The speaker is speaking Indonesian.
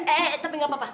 eh eh tapi gapapa